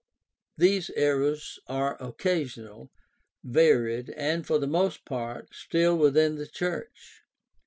These errors are occasional, varied, and for the most part still within the church.